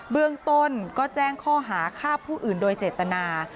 เบื้องต้นก็แจ้งข้อหาฆ่าผู้อื่นโดยเจตนา